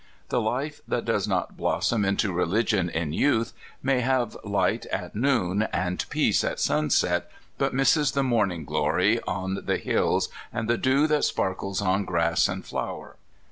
The life that does not blossom into religion in youth may have light at noon, and peace at sunset, but misses the morning glory on the hills, and the dew that sparkles on grass and flower.